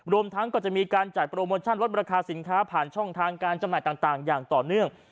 รวมทั้งก็จะมีการจัดโปรโมชั่นลดราคาสินค้าผ่านช่องทางการจำหน่ายต่างอย่างต่อเนื่อง